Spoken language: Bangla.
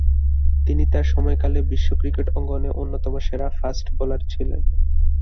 তিনি তার সময়কালে বিশ্ব ক্রিকেট অঙ্গনে অন্যতম সেরা ফাস্ট বোলার ছিলেন।